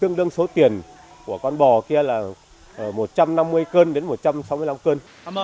tương đương số tiền của con bò kia là một trăm năm mươi cân đến một trăm sáu mươi năm cân